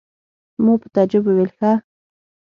ما په تعجب وویل: ښه!